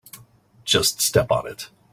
Just step on it.